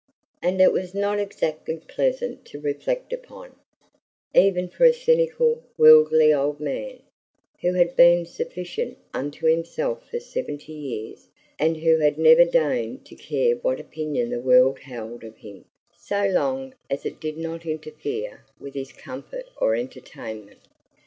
And it was not exactly pleasant to reflect upon, even for a cynical, worldly old man, who had been sufficient unto himself for seventy years and who had never deigned to care what opinion the world held of him so long as it did not interfere with his comfort or entertainment.